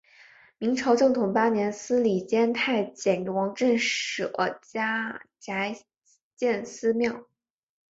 明朝正统八年司礼监太监王振舍宅建私庙。